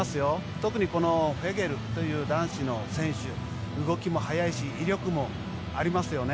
特にフェゲルという男子の選手動きも速いし威力もありますよね。